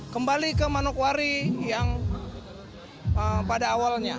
kembali ke manokwari yang pada awalnya